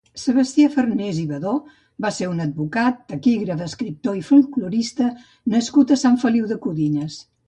Sebastià Farnés i Badó va ser un advocat, taquígraf, escriptor i folklorista nascut a Sant Feliu de Codines.